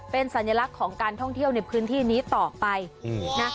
เป็นสัญลักษณ์ของการท่องเที่ยวในพื้นที่นี้ต่อไปนะ